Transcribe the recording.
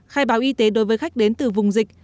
khai báo y tế đối với khách đến từ vùng dịch